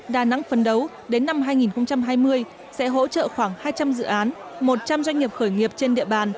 đà nẵng phấn đấu đến năm hai nghìn hai mươi sẽ hỗ trợ khoảng hai trăm linh dự án một trăm linh doanh nghiệp khởi nghiệp trên địa bàn